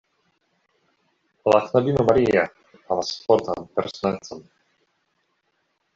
La knabino Maria havas fortan personecon.